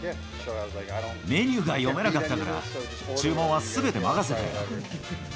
メニューが読めなかったから、注文はすべて任せたよ。